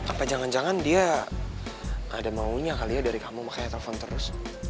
apa jangan jangan dia ada maunya kali ya dari kamu makanya telpon terus